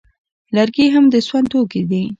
لرګي هم د سون توکي دي